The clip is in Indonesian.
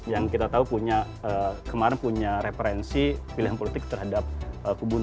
yang kita tahu punya kemarin punya referensi pilihan politik terhadap kebun satu